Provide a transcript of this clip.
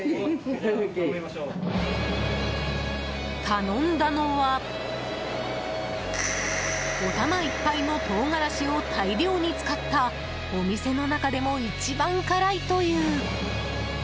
頼んだのは、お玉いっぱいのトウガラシを大量に使ったお店の中でも一番辛いという。